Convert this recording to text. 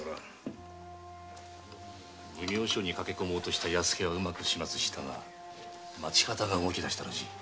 奉行所に駆け込もうとした八助はうまく始末したが町方が動き出したらしい。